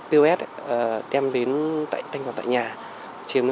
thì người ta đem tiền bán hàng qua mạng giao hàng tận nơi